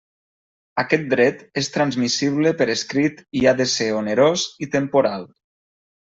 Aquest dret és transmissible per escrit i ha de ser onerós i temporal.